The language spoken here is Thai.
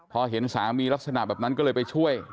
พอเห็นสามีลักษณะแบบนั้นก็เลยไปช่วย